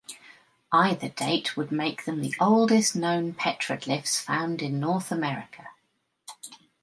Either date would make them the oldest known petroglyphs found in North America.